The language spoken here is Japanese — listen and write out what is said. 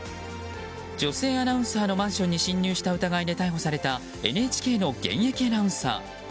女性アナウンサーのマンションに侵入した疑いで逮捕されたＮＨＫの現役アナウンサー。